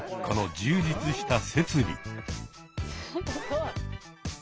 この充実した設備。